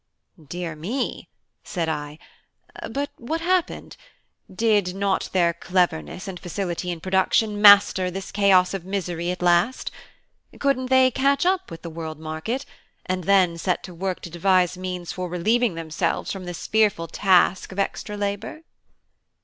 "Dear me!" said I. "But what happened? Did not their cleverness and facility in production master this chaos of misery at last? Couldn't they catch up with the World Market, and then set to work to devise means for relieving themselves from this fearful task of extra labour?"